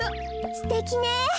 すてきね。